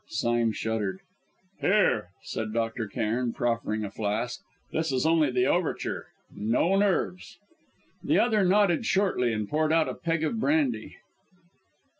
Sime shuddered. "Here!" said Dr. Cairn, proffering a flask. "This is only the overture! No nerves." The other nodded shortly, and poured out a peg of brandy.